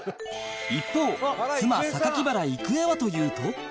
一方妻榊原郁恵はというと